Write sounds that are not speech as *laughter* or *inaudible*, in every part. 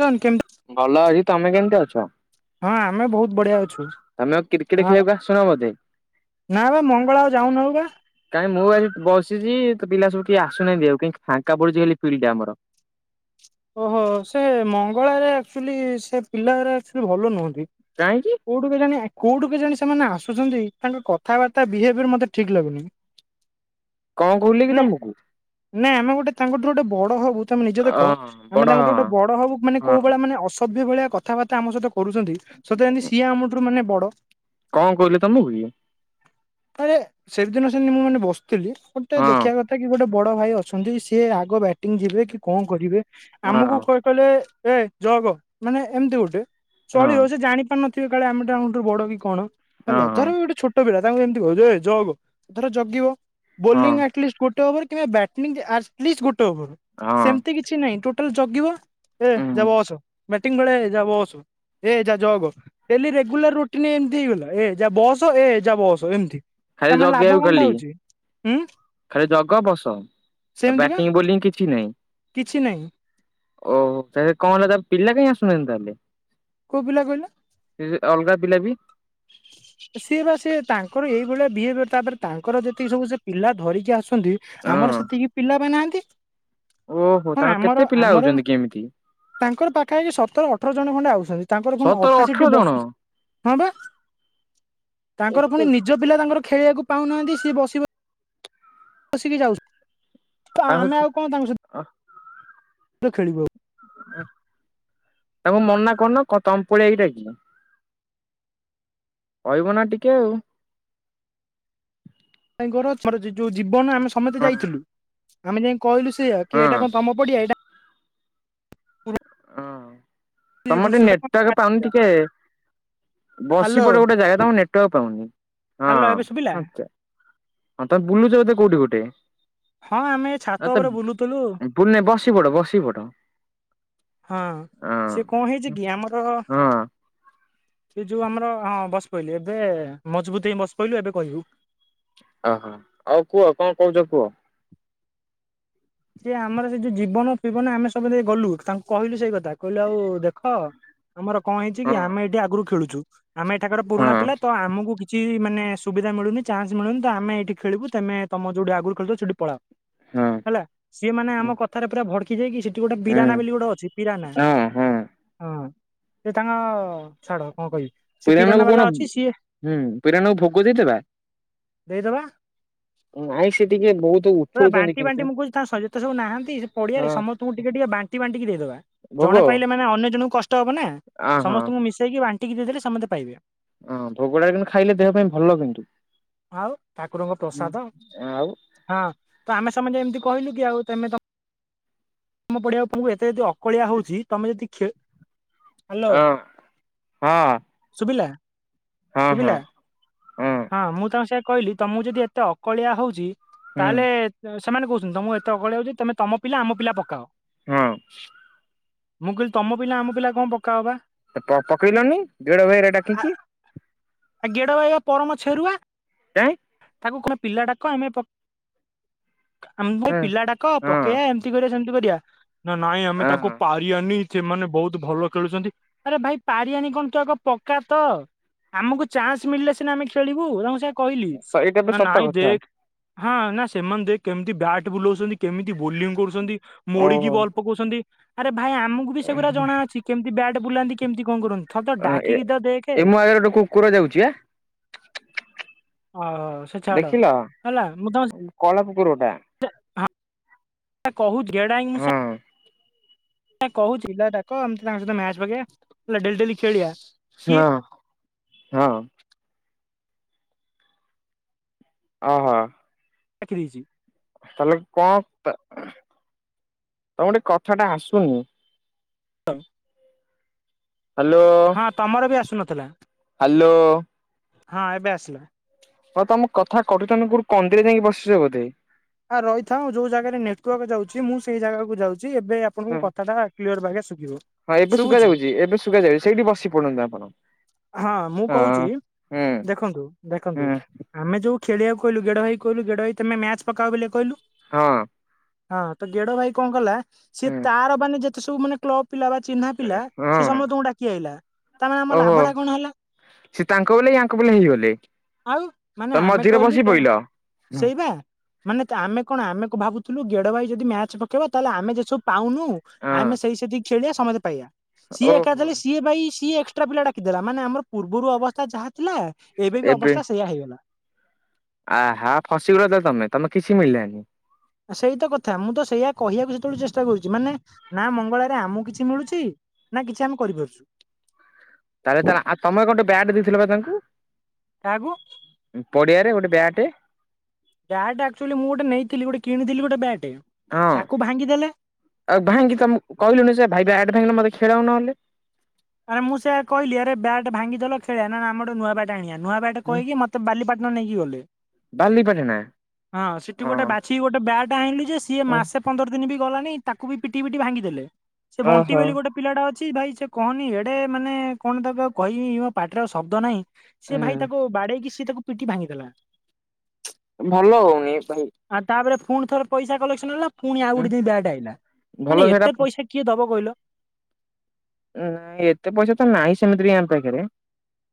ଜନ୍ କେମତି ଭଲ ଅଛି ତମେ କେମିତି ଅଛ? ହଁ ଆମେ ବହୁତ ବଢିଆ ଅଛୁ ତମେ ଆଉ କ୍ରିକେଟ ଖେଳିବାକୁ ଆସୁନ ବୋଧେ? ନା ବା ମଙ୍ଗଳା ଆଉ ଯାଉନାହୁଁ ବା କାଇଁ ମୁଁ ଆସି ବସିଛି ତ ପିଲା ସବୁ କିଏ ଆସୁନାହାନ୍ତି ଆଉ କହିଁକି ଫାଙ୍କା ପଡୁଛି ହ ଫିଲ୍ଡ ଆମର। ଓହୋ ସେ ମଙ୍ଗଳାରେ ଆକ୍ଚୁଆଲି ସେ ପିଲାଗୁଡ଼ା କ ଆକ୍ଚୁଲି ଭଲ ନୁହନ୍ତି। କାହିଁକି କୋଉଠୁ କେ ଜାଣି କୋଉଠୁ କେ କେଜାଣି ସେମାନେ ଆସୁଛନ୍ତି ତାଙ୍କ କଥାବାର୍ତ୍ତା ବିହେଭିୟର ମତେ ଠିକ ଲାଗୁନି। କଣ କହିଲେ କି ନା ତମକୁ? ନା ଆମେ ଗୋଟେ ତାଙ୍କଠୁ ଗୋଟେ ବଡ଼ ହବୁ ତମେ ନିଜ ଅ ଦେଖ ବଡ ଆମେ ତାଙ୍କଠୁ ଗୋଟେ ବଡ଼ ହବୁ ମାନେ ହଁ କୋଉ ଭଳିଆ ମାନେ ଅସଭ୍ୟ ଭଳିଆ କଥାବାର୍ତ୍ତା ଆମ ସହିତ କରୁଛନ୍ତି ସତେ ଯେମିତି ସିଏ ଆମଠାରୁ ମାନେ ବଡ଼। କଣ କହିଲେ ତମକୁ କି? ଆରେ ସେଦିନ ସେମିତି ମୁଁ ମାନେ ବସିଥିଲି ଗୋଟେ ହଁ ଦେଖିବା କଥା କି ଗୋଟେ ବଡ଼ ଭାଇ ଅଛନ୍ତି ସିଏ ଆଗ ବ୍ୟାଟିଂ ଯିବେ କି କଣ କରିବେ ହଁ। ଆମକୁ କହିଲେ ଏ ଜଗ ମାନେ ଏମିତି ଗୋଟେ ହଁ ଚଳିବ ସେ ଜାଣିପାରୁନଥିବେ କାଳେ ଆମେ ତାଙ୍କଠୁ ବଡ଼ କି କଣ? ହଁ ହେଲା ହଁ ଧର ବି ଗୋଟେ ଛୋଟ ପିଲା ତାଙ୍କୁ ଯେମତି ଯେ ଜଗ ଧର ଜଗିବ ହଁ ବୋଲିଙ୍ଗ ଆଟଲିଷ୍ଟ ଗୋଟେ ଓଭର କିମ୍ବା ବ୍ୟାଟିଂ ଗୋଟେ ଓଭର ହଁ ସେମତି କିଛି ନାହିଁ ଜଗିବ ଏ ଯା ଉଁ। ବସ ବ୍ୟାଟିଂ ବେଳେ ଯା ବସ ଏ ଯା ଯୋଗ ଡେଲି ରେଗୁଲାର ରୁଟିନ ଏମିତି ହେଇଗଲା ଏ ଯା ବସ ଏ ଯା ବସ ଏମିତି ଖାଲି ତାମାନେ ଲାଭ ଜଗେଇବାକୁ କଣଟା ଖାଲି ହଉଛି ଉଁ ଖାଲି ଜଗ ବସ ଆ ସେମିତି ବା ବ୍ୟାଟିଂ ବୋଲିଂ କିଛି ନାହିଁ। କିଛି ନାହିଁ। ଓହୋ ତା କଣ ହେଲା ତା ପିଲା କାହିଁ ଆସୁନାହାନ୍ତି ତାହେଲେ? କୋଉ ପିଲା କହିଲ? ସେ ଅଲଗା ପିଲା ବି। ସିଏ ବା ସେ ତାଙ୍କର ଏଇଭଳିଆ ବିହେଭିୟର ତାପରେ ତାଙ୍କର ଯେତିକି ସବୁ ସେ ପିଲା ଧରିକି ଆସୁ ଆମର ହଁ। ସେତିକି ପିଲା ବା ନାହାନ୍ତି। ଓହୋ ହଁ ତାଙ୍କର କେତେ ଆମର ପିଲା ଆମର ଆଉଛନ୍ତି କି ଏମିତି ତାଙ୍କର ପାଖା ପାଖି ସତର ଅଠ ଅଠର ଜଣ ଖଣ୍ଡେ ଆସଛନ୍ତି ତାଙ୍କର ପୁଣି ସତର ଅଧା ଅଠର ସେଠି ଜଣ। ବସୁଛନ୍ତି ହଁ ବା। ତାଙ୍କର ପୁଣି ଏତେ ନିଜ ପିଲା ତାଙ୍କର ଖେଳିବାକୁ ପାଉନାହାନ୍ତି ସିଏ ବସିବ ବସିକି ଯାଉଛ ଆମେ ତାଙ୍କୁ ଆଉ କଣ ତାଙ୍କ ସ ଲ ଖେଳିବ ତାଙ୍କୁ ମନ ନା କରନ ତମ ପଡ଼ିଆ ଏଇଟା କି। କହିବ ନା ଟିକେ ଆଉ। ଯୋଉ ଜୀବନ ଆମେ ସମସ୍ତେ ହଁ ଯାଇଥିଲୁ ଆମେ ଯାଇ କହିଲୁ ସେଆ ହଁ କି ଏଇଟା କଣ ତମ ପଡିଆ ଏଇଟା ହ ତମର ଟିକେ ନେଟ ଟାକ ପାଉନି ଟିକେ ବସି ହ୍ୟାଲୋ ପଡେ ଗୋଟେ ଜାଗା ତମ ନେଟୱାର୍କ ପାଉନି ହାଲୋ ହଁ ଏବେ ଶୁଭିଲା ଆଛା। ହଁ ତମେ ବୁଲୁଛ ବୋଧେ କୋଉଠି ଗୋଟେ। ହଁ ଆମେ ଛାତ ଏ ତ ଉପରେ ବୁଲୁଥିଲୁ ବୁଲ ବସି ପଡ ବସି ପଡ। ହଁ ସେ କଣ ହେଇଛି ହଁ କି ଆମର ହଁ ସେ ଯୋଉ ଆମର ହଁ ବସ ପଇିଲୁ ଏବେ ମଜବୁତ ହେଇ ବସ ପଇିଲୁ ଏବେ କହିବୁ। ଓହୋ ଆଉ କୁହ କଣ କହୁଛ କୁହ। ସିଏ ଆମର ସେ ଯୋଉ ଜୀବନ ଫବନ ଆମେ ସବୁ ଦେଇ ଗଲୁ ତାଙ୍କୁ କହିଲୁ ସେଇ କଥା କହିଲୁ ଆଉ ଦେଖ ଆମର କଣ ହେଇଛି ହଁ କି ଆମେ ଏଇଠି ଆଗରୁ ଖେଳୁଛୁ ଆମେ ଏଠାକାର ପୁରୁଣା ହଁ ପିଲା ତ ଆମକୁ କିଛି କି ମାନେ ସୁବିଧା ମିଳୁନ ଚାନ୍ସ ମିଳୁ ତ ଆମେ ଏଇଠି ଖଳୁ ତମେ ତମ ଯୋଉଠି ଆଗରୁ ଖେଳିବ ସେଠିକି ପାଳଅ। ହଁ ହେଲା ସିଏ ମାନେ ଆମ କଥାରେ ପୁରା ଭଡକି ଯାଇକି ସେଠି ଗୋଟେ ହୁଁ ବିରାନା ବୋଲି ଗୋଟେ ଅଛି ବିରାନା ହଁ ହଁ ହଁ ସେ ତାଙ୍କ ଛାଡ଼ ହଁ କହିବି ସେ ପିରାନାକୁ ପିିଲାନା କଣ ବାଲା ଅଛି ସିଏ ହୁଁ ପିରାନାକୁ ଭୋଗ ଦେଇଦେବା ନାଇଁ ସେ ଟିକେ ବହୁତ ଦେଇଦବା ଉଛୁଳୁଛନ୍ତି ବାଣ୍ଟି କିନ୍ତୁ ବାଣ୍ଟି ମୁଁ କହୁ ଥା ଯେତେ ସବୁ ନାହାନ୍ତି ସେ ପଡିଆରେ ହଁ ସମସ୍ତଙ୍କୁ ଟିକେ ଟିକେ ବାଣ୍ଟି ବାଣ୍ଟିକି ଦେଇଦବା ଭୋଗ ଜଣେ ପାଇଲେ ମେ ଅନ୍ୟ ଜଣଙ୍କୁ କଷ୍ଟ ହବ। ନା ଆ ସମସ୍ତଙ୍କୁ ମିଶେଇକି ବାଣ୍ଟିକି ଦେଇଦେଲେ ସମସ୍ତେ ପାଇବେ। ଅଁ ଭୋଗଟା କିନ୍ତୁ ଖାଇଲେ ଦେହ ପାଇଁ ଭଲ କିନ୍ତୁ। ଆଉ ଠାକୁରଙ୍କ ପ୍ରସାଦ ଆଉ ହଁ ତ ଆମେ ତମେ ଏମିତି କହିଲୁ କି ଆଉ ତମେ ତ ତମ ପଡିଆ ପୁଅଙ୍କୁ ଏତେ ଯଦି ଅକଳିଆ ହଉଛି ତମେ ଯଦି ହ୍ୟାଲୋ ହଁ ହଁ ଶୁଭିଲା। ହଁ ହଁ ଶୁଭିଲା ହଁ ମୁଁ ତମ ସେ କହିଲି ତମକୁ ଯଦି ଏତେ ଅକଳିଆ ହଉଛି ହୁଁ ତାହେଲେ ସେମାନେ କହୁଛନ୍ତି ତ ମୁଁ ଏତେ ଅଗଳେଇଉଛି ତମେ ତମ ପିଲା ଆମ ପିଲା ପକାଅ ହଁ ମୁଁ କହିଲି ତମ ପିଲା ଆମ ପିଲା କଣ ପକା ହବା ପ ପକେଇଲନି ଭିଡ ଭାଇରା ଡାକିକି ଆଉ ଗେଡ ଭାଇବା ପରମ ଛେରୁଆ ତା ଏ ତାକୁ କଣ ପିଲା ଡାକ ଆମେ ଆମ ହଁ ପିଲା ଡାକ ପକେଇବା ଏମିତି କରିବା ସେମ କରିବା ନା ନାଇଁ ଆମେ ତାଙ୍କୁ ହଁ। ପାରିବନି ସେମାନେ ବହୁତ ଭଲ ଖେଳୁଛନ୍ତି ଆରେ ଭାଇ ପାରଆାନି କଣ ତୁ ଆଗ ପକ୍କା ତ ଆମକୁ ଚାନ୍ସ ମିଳିଲେ ସିନା ଆମେ ଖେଳିବୁ ତାଙ୍କୁ ସେ କହିଲି ସେଇଟା ବି ନା ସତ ନାଇଁ କଥା ଦେଖ ହଁ ନା ସେମାନେ ଦେ କେମିତି ବ୍ୟାଟ୍ ବୁଲଉଛନ୍ତି କେମିତି ବୋଲିଂ କରୁଛନ୍ତି ମୋଡ଼ିକି ଓହୋ ବଲ୍ ପକାଉଛନ୍ତି ଭାଇ ଆମକୁ ବି ସେଗୁଡ଼ା ଜଣା ଅଛି କେମିତି ବ୍ୟାଡ୍ ବୁଲାନ୍ତି କେମିତି କଣ କରନ୍ତି ଥରେ ତ ଡାକିକି ତ ଦେଖେ ଏ ମୋ ଆଗରେ ଗୋଟେ କୁକୁର ଯାଉଛି ଆ। ଓହୋ ସେ ଛାଡ ଦେଖିଲ ହେଲା ମୁଁ ତମ ସେ କଳା କୁକୁରଟା ହଁ କହୁଛି ଘେଡ଼ାଇ ମୁଁ ହଁ ସା ନା କହୁଛିଟାକ ଏମିତି ତାଙ୍କ ସହିତ ମ୍ୟାଚ ପକେଇବା ଡେଲି ଡେଲି ଖେଲିଆ ଶୁନ ହଁ ଅ ହଁ ଦେଖିଦେଇଚି ତାହେଲେ କଣ ତମ ଗଟେ କଥା ଟା ଆସୁନି *unintelligible* ହଁ ତମର ବି ଆସୁନଥିଲା ହାଲୋ ହଁ ଏବେ ଆସିଲା ହଁ ତମ କଥା କରୁଚତି ବୁ କନ୍ଦିରେ ଯାଇକି ବସିଛ ବୋଧେ ଆଁ ରହିଥାଉ ଯୋଉ ଜାଗାରେ ନେଟୱାର୍କ ଯାଉଛି ମୁଁ ସେଇ ଜାଗାକୁ ଯାଉଛି ଏବେ ଆପଣଙ୍କୁ ହଁ କଥାଟା କ୍ଲିୟର ଭଳିଆ ଶୁଭିବ। ହଁ ଏବେ ଶୁଭା ଶୁଭୁଛି ଯାଉଛି ଏବେ ଶୁଭା ଯାଉଛି ସେଇଠି ବସି ପଡ଼ନ୍ତୁ ଆପଣ ହଁ ମୁଁ କହୁଛି ହୁଁ ଦେଖନ୍ତୁ ହୁଁ ଦେଖନ୍ତୁ ଆମେ ଯୋଉ ଖେଲିବାକୁ କହିଲୁ ଗେଡ଼ ହୋଇ କହିଲୁ ଗେଡ଼ହ ତମେ ମ୍ୟାଚ୍ ପକାଅ ବୋଲି କହିଲୁ ହଁ ହଁ ତ ଗେଡ ଭାଇ କଣ କଲା ସିଏ ତାର ବାନେ ଯେତେ ସବୁ ମାନେ କ୍ଲବ୍ ପିଲା ବା ଚିହ୍ନା ପିଲା ସେ ହଁ ସମସ୍ତଙ୍କୁ ଡାକି ଆଇଲା ତାମାନେ ଆମ ଓହୋ ଲାଭ ଟା କଣ ହେଲା? ସେ ତାଙ୍କ ବଲେ ୟାଙ୍କ ବଲେ ହେଇଗଲେ ଆଉ ମାନେ ତମେ ଆମେ ମଝିରେ କହିଲୁ ତ ବସି ପଇଲ। ହଁ ସେଇ ବା ମାନେ ତା ଆମେ କଣ ଆମେ ଭାବୁଥିଲୁ ଗେଡ ଭାଇ ଯଦି ମ୍ୟାଚ ପକେଇବ ତାହେଲେ ଆମେ ଯେସବୁ ପାଉନୁ ଆମେ ସେଇ ସେଠି ଖେଳିଆ ସମସ୍ତେ ପାଇବା ସିଏ ଏକା ଓହୋ ଦେଲେ ସିଏଇ ବାଇ ସିଏ କେତେଟା ପିଲା ଡାକିଦେଲା ମାନେ ଆମର ପୂର୍ବରୁ ଅବସ୍ଥା ଯାହା ଥିଲା ଏବେ ବି ଅବସ୍ଥା ସେଇଆ ହେଇଗଲା ଆ ହା ଫସିଗଲ ତ ତମେ ତମେ କିଛି ମିଳିଲାନି ସେଇତ କଥା ମୁଁ ତ ସେଇୟଆ କହିବାକୁ ସେତେବେଳେ ଚେଷ୍ଟା କରୁଛି ମାନେ ନା ମଙ୍ଗଳାରେ ଆମକୁ କିଛି ମିଳୁଛି ନା କିଛି ଆମେ କରିପାରୁଛୁ ତାହେଲେ ତାହେଲେ ଆଉ ତମେ ଗୋଟେ ବ୍ୟାଟ ଦେଇଥିଲ ବା ତାଙ୍କୁ କାହାକୁୁ ପଡିଆରେ ଗୋଟେ ବ୍ୟାଟ ବ୍ୟାଗ ଆକ୍ଚଆଲି ମୁଁ ଗୋଟେ ନେଇଥିଲି ଗୋ କିଣିଥିଲି ଗୋଟେ ବ୍ୟାଟ ହଁ ଆଉ ଭାଇଙ୍କି ତମ କହିଲୁନି ଯେ ଭାଇ ବ୍ୟାଟ ପାଇ ମତେ ଖେଳ ନହେଲେ ଆରେ ମୁଁ ସେୟା କହିଲି ଆରେ ବ୍ୟାଟ ଭାଙ୍ଗିଦେଲ ଖେଳଆ ନା ଆମେ ଗୋଟେ ନୂଆ ବ୍ୟାଟ ଆଣିବା ନୂଆ ଦ୍ୟଟ କହିକି ମତେ ବାଲିପାଟଣା ନେଇକି ଗଲେ। ବାଲି ପାଟଣା ହଁ ସେଠି ଗୋଟେ ହଁ ବାଛି କି ଗୋଟେ ବ୍ୟାଟ ଏଟା ଆଣିଲୁ ଯେ ସିଏ ମାସେ ପନ୍ଦର ଦିନ ବି ଗଲାଣି ତାକୁ ବି ପିଟି ପିଟି ଭାଙ୍ଗିଦେଲେ। ସେ ବଣ୍ଟି ଓହୋ ବୋଲି ଗୋଟେ ପିଲାଟା ଅଛି ଭାଇ ସେ କହନି ଏଡେ ମାନେ କଣ ତାକୁ କହିବି ପାଟିର ଶବ୍ଦ ନାହିଁ ସେ ହୁଁ ଭାଇ ତାକୁ ବାଡେଇକି? ତାକୁ ପିଟି ଭାଙ୍ଗିଦେଲା। ଭଲ ହଉନି ଭାଇ। ଆଉ ତାପରେ ପୁଣି ଥରେ ପଇସା କଲେକ୍ସନ ହେଲା ପୁଣି ଆଉ ଗୋଟେ ଦେଇ ବ୍ୟାଟ୍ ଆଇଲା ମାନେ ଭଲ ସେଇଟା ଏତେ ନାଇଁ ପଇସା କିଏ ଦବ କହିଲ। ନାଇଁ ଏତେ ପଇସା ତ ନାହିଁ ସେମିତି ବି ଆମ ପାଖରେ।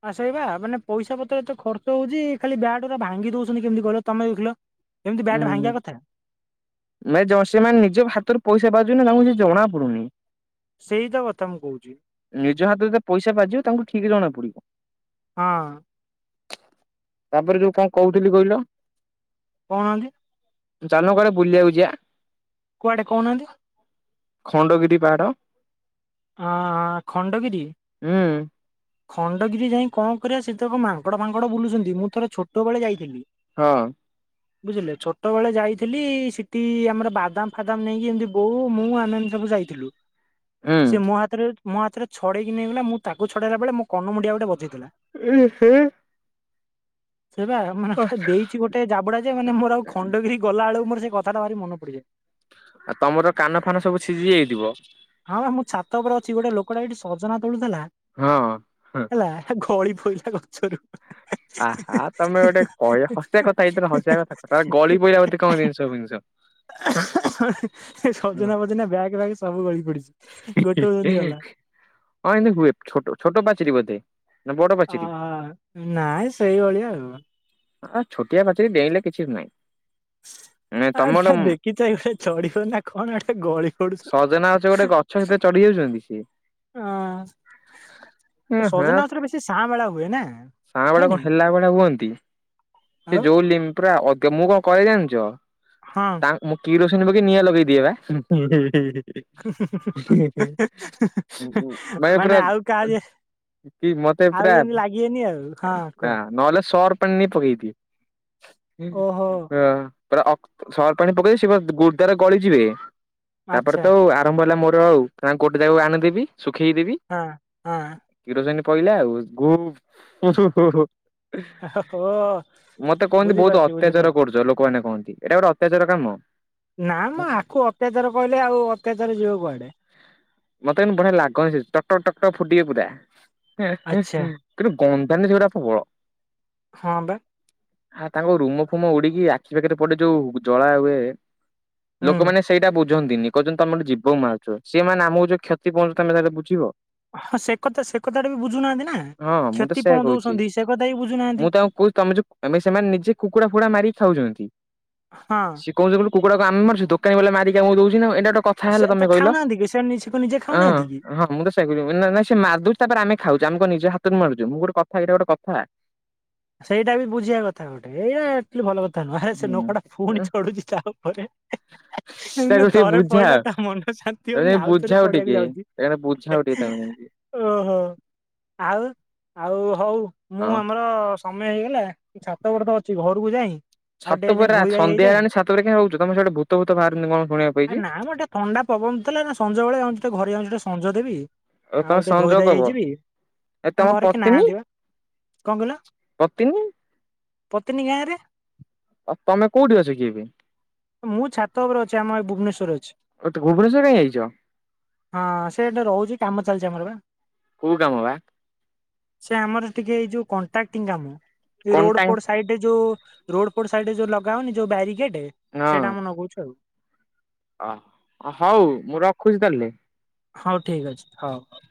ଆ ସେଇବା ମାନେ ପଇସା ପତ୍ର ତ ଖର୍ଚ୍ଚ ହଉଛି ଖାଲି ବ୍ୟାଟ ଗୁରା ଭାଙ୍ଗି ଦଉଛନ୍ତିି କେମିତି କହିଲ ତମେ ଦେଖିଲ। ଏମିତି ବ୍ୟାଟ୍ ହୁଁ ଭାଙ୍ଗିବା କଥା ମ ସେମାନେ ନିଜ ହାତରୁ ପଇସା ପାଉଛନ୍ତି ନା ତାଙ୍କୁ ଜଣା ପଡ଼ୁନି। ସେଇ ତ କଥା ମୁଁ କହୁଛି ନିଜ ହାତରେ ଯେତେ ପଇସା ବାଜିବ ତାଙ୍କୁ ଠିକ ଜଣା ପଡିବ। ହଁ। ତାପରେ ଯୋଉ କଣ କହୁଥିଲି କହିଲ। କହୁନାହାନ୍ତି? ଚାଲ ନା କୁଆଡ଼େ ବୁଲିଆ କୁ ଯିଵା। କୁଆଡେ କହୁନାହାନ୍ତି? ଖଣ୍ଡଗିରି ପାହାଡ। ହଁ ହଁ ଖଣ୍ଡଗିରି। ହୁଁ ଖଣ୍ଡଗିରି ଯାଇ କଣ କରିବା ସେ ତକ ମାଙ୍କଡ଼ ଫାଙ୍କଡ ବୁଲୁଛନ୍ତି ମୁଁ ଥରେ ଛୋଟ ବେଳେ ଯାଇଥିଲି। ହଁ। ବୁଝିଲେ ଛୋଟ ବେଳେ ଯାଇଥିଲି ସେଠି ଆମର ବାଦାମ ଫାଦାମ ନେଇକି ଏମିତି ବୋଉ ମୁଁ ଆମେ ଯାଇଥିଲୁ। ସେ ହୁଁ। ମୋ ହାତରେ ମୋ ହାତରେ ଛାଡେଇକି ନେଇଗଲା। ମୁଁ ତାକୁ ଛଡେଇବାବେଳେ ମୋ କନମୁଣ୍ଡିଆ ଗୋଟେ ବଜେଇଦେଲା। ଓ ହୋ। ସେଇ ବା ମାନେ ଦେଇଛି ଗୋଟେ ଜାବୁଡା ଯେ ମାନେ ମୋର ଆଉ ଖଣ୍ଡଗିରି ଗଲା ବେଳକୁ ମୋର ସେ କଥାଟା ଭାରି ମନେ ପଡିେଯଏ। ଆଉ ତମର କାନ ଫାନ ସବୁ ସିଝି ଯାଇଥିବ। ହଁ ବା ମୁଁ ଛାତ ଉପରେ ଅଛି ଗୋଟେ ଲୋକଟା ଏଠି ସଜନା ତୋଳୁଥିଲା ହଁ। ହଁ ହେଲା ଗଳି ପାଇଲା। ଗଛରୁ। ଆ ହା ତମେ ଗୋଟେ କହି-ହସିଆ କଥା ଏଇଥିରେ ହସିବା କଥା ଗଳି ପଇଲା ବୋଧେ କଣ ଜିନିଷ ଫିନିଷ। ସଜନା ଫଜନା ବ୍ୟାଗ ଫ୍ୟାଗ ଫିନିଷ। ସବୁ ଗଳି ପଡିଛି। ହଁ ଗୋଟେକୁ ଯେମିତି ଗଲା ଏମିତି ହୁଏ ଛୋଟ-ଛୋଟ ପାଚେରି ବୋଧେ। ନା ବଡ ପାଚେରୀ ଅ-ନାଇଁ ସେଇଭଳିଆ ଆଉ। ହଁ ଛୋଟିଆ ପଚେରି ଡେଇଁଲେ କିଛି ନାହିଁ। ଆଉ ତମ ଗୋଟେ ସେ ଦେଖି ଚାହିଁ ଚଢିବ ନା କଣ ଗଳିି ସଜନା ଗଛ ଗୋଟେ ଗଛ ସେଥିରେ ଚଢି ଯାଉଛନ୍ତି ସିଏ? ହଁ। ହଁ ହଁ ସଜନା ଗଛରେ ବେଶୀ ସାଁ ବେଳା ହୁଏ ନା ସାଁବେଳିଆ ହୁଏନି କଣ ହେଲା ଭଳିଆ ହୁଅନ୍ତି। ସେ ଆଉ ଯୋଉ ଲିମ୍ ପୁରା ଅଗେ ମୁଁ କଣ କରେ ଜାଣିଛ? ହଁ। ତା-ମୁଁ କିରୋସିନି ପକେଇ ନିଆଁ ଲଗେଇଦିଏ ବା। ହେଁ ହେଁ। ହେଁ ହେଁ ନାଇଁ ମାନେ ପୁରା ଆଉ କାହା ଯେ କି ମତେ ଆଉ ପୁରା ଯେମିତି ଲାଗିବେନି ଆଉ ହଁ ନା କୁହ ନହେଲେ ସର ଫ ନେଇ ପକେଇଦିଏ ନି ଓହୋ ହିଁ। ପୁରା ସର୍ଫ ପାଣି ପକେଇ ଦିଏ ସେ ଗୁ-ଗଳିଯିବେ ତାପରେ ଆଚ୍ଛା ତ ଆରମ୍ଭ ହେଲା ମୋ ହଉ ତାଙ୍କୁ ଗୋଟେ ଜାଗାକୁ ଆଣିଦେବି ଶୁଖେଇଦେବି ହଁ ହଁ କିରୋସିନି ପଇଲା ଆଉ *unintelligible* ଓ ମତେ କହନ୍ତି ବହୁତ ବୁଝିପାରୁଛି ଅତ୍ୟାଚାର ବୁଝିପାରୁଛି କରୁଛ ଲୋକମାନେ କହନ୍ତି। ଏଇଟା ଗୋଟେ ଅତ୍ୟାଚାର କାମ? ନା ମ। ଆକୁ ଅତ୍ୟାଚାର କହିଲେ ଆଉ ଅତ୍ୟାଚାର ଯିବ କୁଆଡେ? ମତେ କିନ୍ତୁ ବଢିଆ ଲାଗେ। ସେ ଟକ୍ ଟକ୍ ଟକ୍ ଟକ୍ ଫୁଟିଅ ପୁରା। ଆଚ୍ଛା କିନ୍ତୁ ଗ ତମେ *unintelligible* ସେ ଗୁରା ଫୁଙ୍କ? *unintelligible* ହଁ ବା। ଆ ତାଙ୍କ ରୁମ ଫୁମ ଉଡିକି ଆଖି ପାଖିରେ ପଡେ। ଯୋଉ ଜଳା ହୁଏ। ହୁଁ ଲୋକମାନେ ସେଇଟା ବୁଝନ୍ତିନି। କହୁଛନ୍ତି ତମେ ଗୋଟେ ଜୀବ ମାରୁଛ। ସେମାନେ ଆମ ର କ୍ଷତି ପହଞ୍ଚେ ତମେ ତାହଲେ ବୁଝିବ? ହଁ ସେ କଥା ସେ କଥାଟା ବି ବୁଝୁନାହାନ୍ତି ନା। ହଁ ମୁଁ ତ କ୍ଷତି ସେୟା କହୁଛି ପହଁଚଉଛନ୍ତି। ସେ କଥା ବି ମୁଁ ବୁଝୁନାହାନ୍ତି। ତାଙ୍କୁ ତମେ ଯଉ ମାନେ ସେମାନେ ନିଜେ କୁକୁଡ଼ା ଫୁକୁଡା ମାରିକି ଖାଉଛନ୍ତି। ହଁ ସଏ କହୁଛନ୍ତି କଣ କୁକୁଡାକୁ କଣ ଆମେ ମାରୁଛୁ? ଦୋକାନୀ ବାଲା ମାରିକି ଆମକୁ ଦଉଛି ନା ଆଉ। ଏଟା ଗୋଟେ କଥା ଆ ସେ ହେଲା? ତ ତମେ କହିଲ? ଖାଉନାହାନ୍ତି କି ସେ ନି- ସେ କଣ ନିଜେ ହଁ ଖାଉନାହାନ୍ତି କି ହଁ ମୁଁ ତ ସେଇଆ କହୁଚି। ନାଁ ନାଁ ସେ ମାରିଦଉଛି। ତାପରେ ଆମେ ଖାଉଛୁ। ଆମେ କଣ ନିଜ ହାତରୁ ମାରୁଛୁ? ମୁଁ ଗୋଟେ କଥା ଏଇଟା ଗୋଟେ କଥା? ସେଇଟା ବି ବୁଝିବା କଥା ଗୋଟେ। ଏଇଟା ଭଲ କଥା *unintelligible* ନୁହେଁ। ସେ ହୁଁ ଲୋକଟା ପୁଣି ଉଁ ଚଢୁଛି ତାପରେ ତାକୁ ଟିକେ ଥରେ ବୁଝାଅ ପଡିଲା ତା ମନ ଶାନ୍ତି ତାକୁ ହଉନି। ଯାଇ ଆଉ ଥରେ ବୁଝାଅ ପଡିବାକୁ ଟିକେ। ଯାଉଛି। ତାକୁ ବୁଝାଅ ଟିକେ ତାକୁ ଯାଇକି ଓ ହୋ। ଆଉ? ଆଉ ହଉ। ମୁଁ ହଁ। ଆମର ସମୟ ହେଇଗଲା। ଛାତ ଉପରେ ତ ଅଛି। ଘରକୁ ଯାଏ। ଛାତ ଉପରେ ସନ୍ଧ୍ୟା ହେଲାଣି ଛାତ ଉପରେ କାଇଁ ଯାଉଛ? ତମେ ସିଆଡେ ଭୂତ ଭୂତ ବାହାରେନା କଣ ଶୁଣିବାକୁ ଆ ପାଇଛି। ନା ମ ଟିକେ ଥଣ୍ଡା ପବନ ଥିଲାନା। ସଞ୍ଜବେଳେ ଯାଉଛି ଟିକେ ଘରେ ଯାଉଛି ଟିକେ ସଞ୍ଜ ଦେବି। ଆଉ ତମେ ଟିକେ ଧୋଇ ସଞ୍ଜ ଧାଇ ଦବ। ହେଇଯିବି ଆଉ ଆମ ତମ ଘରେ କେହି ପତ୍ନୀ? ନାହାନ୍ତି ବା କଣ କହିଲ? ପତ୍ନୀ? ପତ୍ନୀ ଗାଁରେ। ଆଉ ତମେ କୋଉଠି ଅଛ କି? ମୁଁ ଛାତ ଉପରେ ଅଛି ଆମର ଏଇ ଭୁବନେସ୍ୱରରେ ଅଛି। ଓ ତୁ ଭୁବନେଶ୍ୱର କାଇଁ ଯାଇଛ ହଁ ସେଟା ରହୁଛି କାମ ଚାଲିଛି ଆମର ଏବେ। କୋଉ କାମ ବା ସେ ଆମର ଟିକେ ଏଇ ଯୋଉ କଣ୍ଟ୍ରାକ୍ଟିଂ କାମ ଏଇ ରୋଡ କଣ୍ଟାଙ୍କ ଫୋଡ଼ ସାଇଡରେ ଯୋଉ ରୋଡ ଫୋଡ଼ ସାଇଡରେ ଯୋଉ ଲଗା ହଉନି ଯଉ ବ୍ୟାରିକେଡ ହଁ। ସେଇଟା ଆମେ ନଗଉଛି ଆଉ। ଅ ହଉ ମୁଁ ହଁ ରଖୁଛି ତାହେଲେ। ହଉ ଠିକ ଅଛି ହଉ ହଉ।